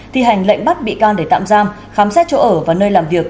thi hành lệnh bắt bị can để tạm giam khám xét chỗ ở và nơi làm việc